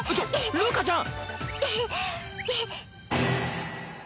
るかちゃん！